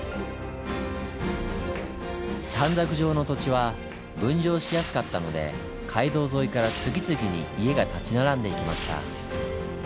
短冊状の土地は分譲しやすかったので街道沿いから次々に家が建ち並んでいきました。